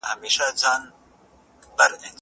دولتونه د نړیوالو قوانینو په رعایت سره خپل موقف لوړوي.